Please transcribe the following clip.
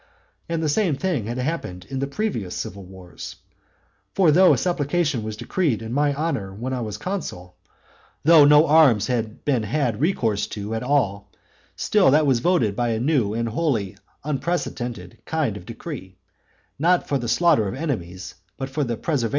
And the same thing had happened in the previous civil wars. For though a supplication was decreed in my honour when I was consul, though no arms had been had recourse to at all, still that was voted by a new and wholly unprecedented kind of decree, not for the slaughter of enemies, but for the preservation of the citizens.